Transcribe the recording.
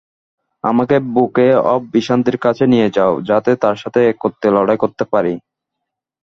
আমাকে book of ভিশান্তির কাছে নিয়ে যাও যাতে তার সাথে একত্রে লড়াই করতে পারি।